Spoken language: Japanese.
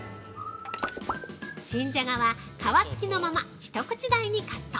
新じゃがは、皮つきのまま一口大にカット。